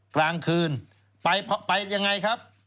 กลางคืนไปยังไงครับ